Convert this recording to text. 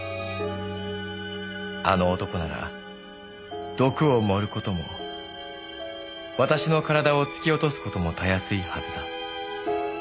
「あの男なら毒を盛ることも私の体を突き落とすことも容易いはずだ」